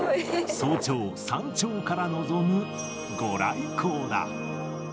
早朝、山頂から望む御来光だ。